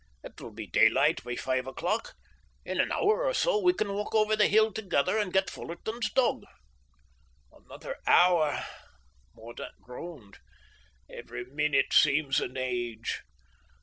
It will be daylight by five o'clock. In an hour or so we can walk over the hill together and get Fullarton's dog." "Another hour!" Mordaunt groaned, "every minute seems an age."